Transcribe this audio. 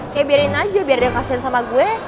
kayak biarin aja biar dia kasian sama gue